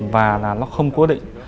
và nó không quyết định